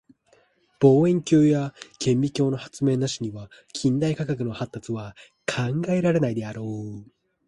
望遠鏡や顕微鏡の発明なしには近代科学の発達は考えられないであろう。